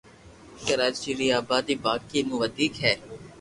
ڪراچي ري آبادي باقي مون وديڪ ھي